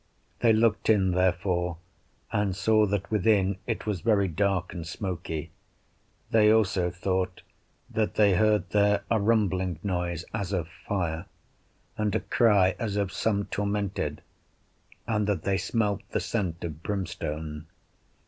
They looked in therefore, and saw that within it was very dark and smoky; they also thought that they heard there a rumbling noise as of fire, and a cry as of some tormented, and that they smelt the scent of brimstone.